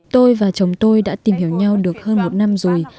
tôi và chồng tôi đã tìm hiểu nhau được hơn một năm rồi